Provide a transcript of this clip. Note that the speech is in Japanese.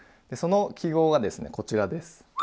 その記号がですねこちらです。